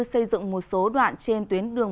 xây dựng một số đoạn trên tuyến đường